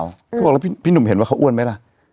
เขาบอกแล้วพี่หนุ่มเห็นว่าเขาอ้วนไหมล่ะ